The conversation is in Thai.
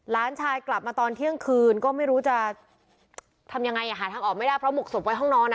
หลานชายกลับมาตอนเที่ยงคืนก็ไม่รู้จะทำยังไงหาทางออกไม่ได้เพราะหมกศพไว้ห้องนอน